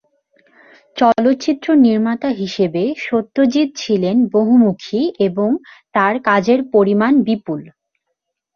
চলচ্চিত্র নির্মাতা হিসেবে সত্যজিৎ ছিলেন বহুমুখী এবং তাঁর কাজের পরিমাণ বিপুল।